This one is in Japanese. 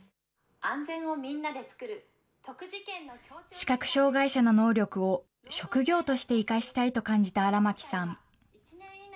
視覚障害者の能力を職業として生かしたいと感じた荒牧さん。